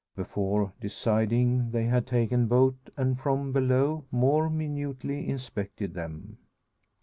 Before deciding they had taken boat, and from below more minutely inspected them.